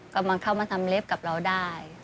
กำลังเข้ามาทำเล็บกับเราได้